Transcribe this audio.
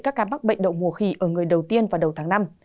các ca mắc bệnh đậu mùa khỉ ở người đầu tiên vào đầu tháng năm